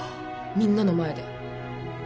みんなの前で。